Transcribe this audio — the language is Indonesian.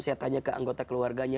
saya tanya ke anggota keluarganya